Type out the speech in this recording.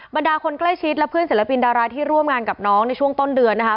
บรรดาคนใกล้ชิดและเพื่อนศิลปินดาราที่ร่วมงานกับน้องในช่วงต้นเดือนนะคะ